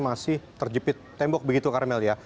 masih terjepit tembok begitu karmel ya